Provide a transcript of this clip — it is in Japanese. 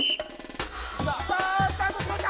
さあスターとしました！